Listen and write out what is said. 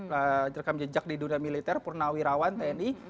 perekam jejak di dunia militer purnawirawan tni